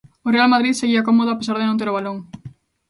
O Real Madrid seguía cómodo a pesar de non ter o balón.